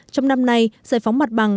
trong năm nay giải phóng mất bằng